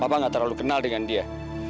bapak nggak terlalu kenal dengan dia